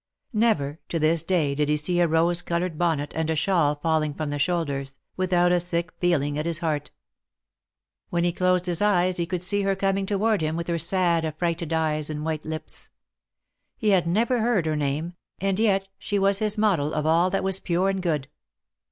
Never to this day did he see a rose colored bonnet and a shawl falling from the shoulders, without a sick feeling at his heart. When he closed his eyes he could see her coming 250 THE MARKETS OP PARIS. toward him witli her sad, affrighted eyes and white lips. He had never heard her name, and yet she was his model of all that was pure and good.